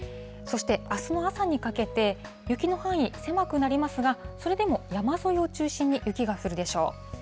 そして、あすの朝にかけて、雪の範囲、狭くなりますが、それでも山沿いを中心に雪が降るでしょう。